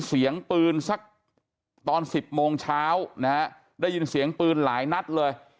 เสียงปืนสักตอน๑๐โมงเช้านะฮะได้ยินเสียงปืนหลายนัดเลย